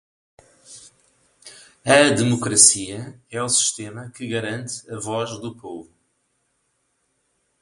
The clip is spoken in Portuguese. A democracia é o sistema que garante a voz do povo.